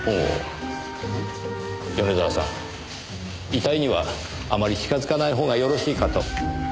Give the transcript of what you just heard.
遺体にはあまり近づかないほうがよろしいかと。